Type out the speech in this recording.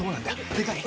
でかい？